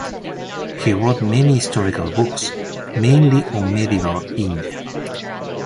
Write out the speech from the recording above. He wrote many historical books, mainly on medieval India.